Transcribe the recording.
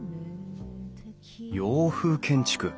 洋風建築。